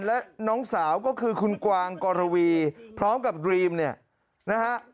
และน้องสาวก็คือคุณกวางกรวีพร้อมกับดรีมเนี่ยนะฮะ